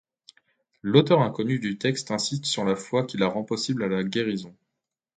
L'auteur inconnu du texte insiste sur la foi qui rend possible la guérison.